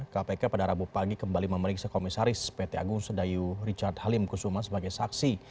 kpk pada rabu pagi kembali memeriksa komisaris pt agung sedayu richard halim kusuma sebagai saksi